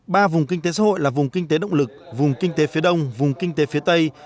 ba vùng kinh tế xã hội là vùng kinh tế động lực vùng kinh tế phía đông vùng kinh tế phía tây